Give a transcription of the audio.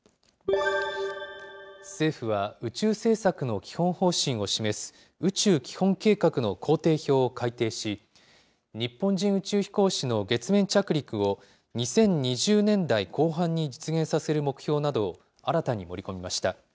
政府は、宇宙政策の基本方針を示す宇宙基本計画の工程表を改訂し、日本人宇宙飛行士の月面着陸を、２０２０年代後半に実現させる目標などを新たに盛り込みました。